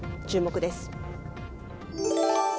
注目です。